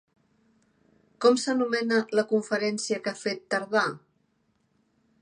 Com s'anomena la conferència que ha fet Tardà?